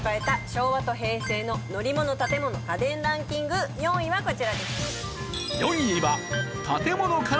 昭和と平成の乗り物・建物・家電ランキング４位はこちらです。